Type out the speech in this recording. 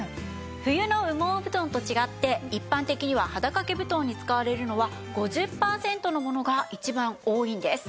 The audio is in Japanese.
冬の羽毛布団と違って一般的には肌掛け布団に使われるのは５０パーセントのものが一番多いんです。